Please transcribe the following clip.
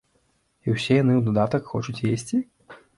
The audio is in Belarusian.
І ўсе яны ў дадатак хочуць есці?